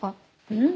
うん？